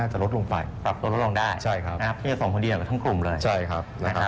สูงผลิตอยู่กับทั้งคลุม